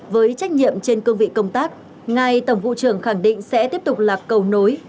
với trách nhiệm trên cương vị công tác ngài tổng vụ trưởng khẳng định sẽ tiếp tục là cầu nối